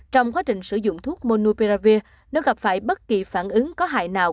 trong quá trình sử dụng thuốc monopiravir nếu gặp phải bất kỳ phản ứng có hại nào